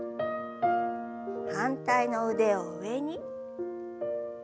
反対の腕を上に。